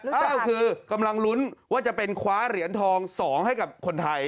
แต้วคือกำลังลุ้นว่าจะเป็นคว้าเหรียญทอง๒ให้กับคนไทย